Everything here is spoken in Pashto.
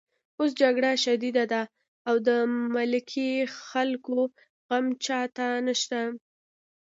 اوس جګړه شدیده ده او د ملکي خلکو غم چاته نشته